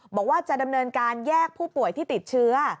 บอกว่าจะดำเนินการแยกผู้ป่วยที่ติดเชื้อ